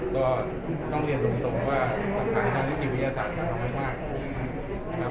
ก็ต้องเรียนตรงว่าสัมภัยธรรมดิกิจวิทยาศาสตร์จะทำไม่มาก